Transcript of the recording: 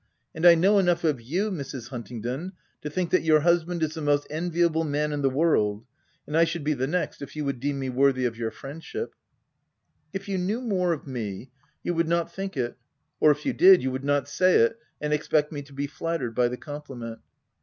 And I know enough of you, Mrs. Huntingdon, to think that your husband is the most enviable man in the world, and I should be the next if you would deem me worthy of your friendship,'* Ci If you knew more of me, you would not think it — or if you did, you would not say it, and expect me to be flattered by the compli ment."